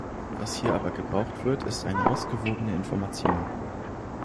Was hier aber gebraucht wird, ist eine ausgewogene Information.